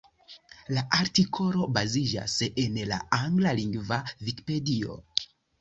La artikolo baziĝas en la anglalingva Vikipedio,